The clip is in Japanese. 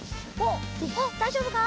おっだいじょうぶか？